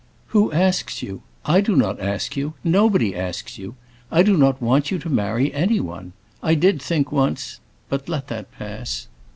"Who asks you? I do not ask you; nobody asks you. I do not want you to marry any one. I did think once but let that pass.